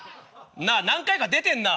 なあ何回か出てんな。